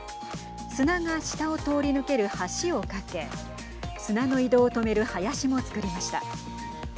砂が下を通り抜ける橋を架け砂の移動を止める林もつくりました。